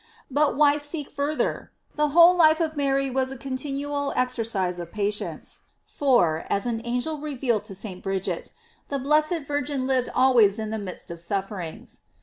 But why seek fur ther? The whole life of Mary was a continual exercise of patience, for, as an angel revealed to St. Bridget, the blessed Virgin lived always in the midst of sufferings.